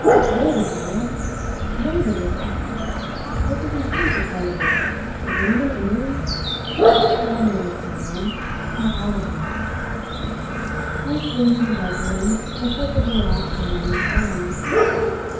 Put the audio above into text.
"Wait a little! Wait a little! What does he think a fellow is a graven image?" grumbled Ricardo half audibly. Heyst went into the bedroom, and shut the door after him with a bang.